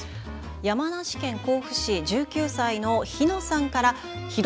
山梨県甲府市１９歳のひのさんから。